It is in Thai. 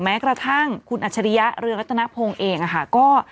แม้กระทั่งคุณอัชริยะเรืองรัฐนาโพงเองอะค่ะก็